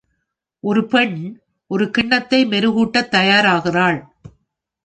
ஒரு பெண் ஒரு கிண்ணத்தை மெருகூட்டத் தயாராகிறாள்.